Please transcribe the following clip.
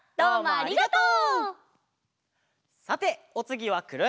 ありがとう！